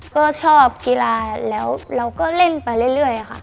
ก็ชอบกีฬาแล้วเราก็เล่นไปเรื่อยค่ะ